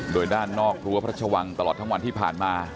โดยด้านนอกรั้วพระชวังตลอดทั้งวันที่ผ่านมา